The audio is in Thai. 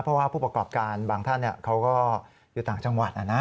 เพราะว่าผู้ประกอบการบางท่านเขาก็อยู่ต่างจังหวัด